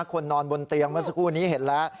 คนนอนบนเตียงเมื่อสักครู่นี้เห็นแล้ว